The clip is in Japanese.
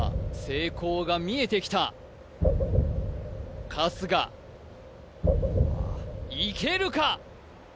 成功が見えてきた春日いけるか？